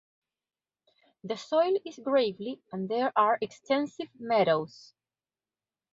The soil is gravelly and there are extensive meadows.